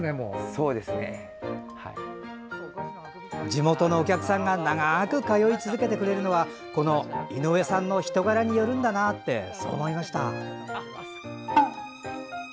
地元のお客さんが長く通い続けてくれるのは井上さんの人柄によるんだなって、そう思いました。